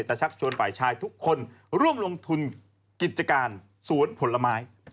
ชักชวนฝ่ายชายทุกคนร่วมลงทุนกิจการสวนผลไม้